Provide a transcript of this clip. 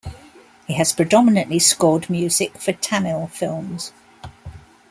He has predominantly scored music for Tamil films.